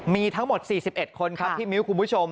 มีทั้งหมด๔๑คนครับพี่มิ้วคุณผู้ชม